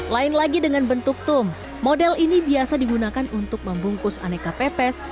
lain lagi dengan bentuk tum model ini biasa digunakan untuk membungkus aneka pepes